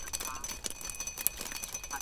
حکومت د مالیې د راټولولو حق لري.